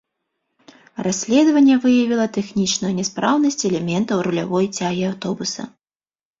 Расследаванне выявіла тэхнічную няспраўнасць элементаў рулявой цягі аўтобуса.